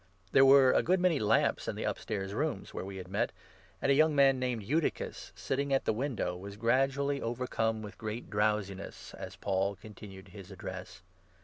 There were a good 8 many lamps in the upstairs room, where we had met ; and a 9 young man named Eutychus, sitting at the window, was gradually overcome with great drowsiness, as Paul continued his address.